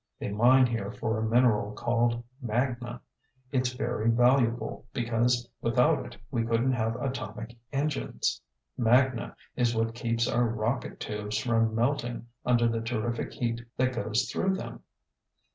"They mine here for a mineral called magna. It's very valuable, because without it we couldn't have atomic engines. Magna is what keeps our rocket tubes from melting under the terrific heat that goes through them."